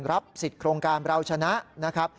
รับสิทธิ์โครงการเราชนะนะครับ